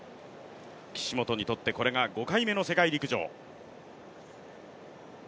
岸本にとってこれが５回目の世陸陸上。